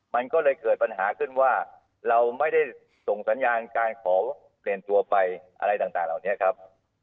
มันก็เลยเกิดปัญหาขึ้นว่าเราไม่ได้ส่งสัญญาณการขอเปลี่ยนตัวไปอะไรต่างเหล่านี้ครับ